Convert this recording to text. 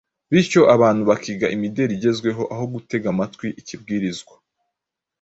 bityo abantu bakiga imideri igezweho aho gutega amatwi ikibwirizwa.